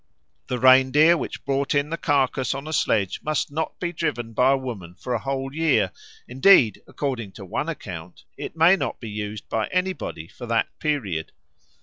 The reindeer which brought in the carcase on a sledge may not be driven by a woman for a whole year; indeed, according to one account, it may not be used by anybody for that period.